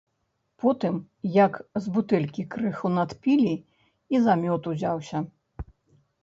Потым, як з бутэлькі крыху надпілі, і за мёд узяўся.